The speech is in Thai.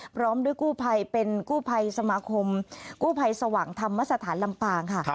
พร้อมด้วยกู้ภัยเป็นกู้ภัยสมาคมกู้ภัยสว่างธรรมสถานลำปางค่ะ